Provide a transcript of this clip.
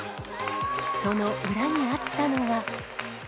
その裏にあったのは。